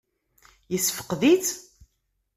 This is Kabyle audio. Yessefqed-itt?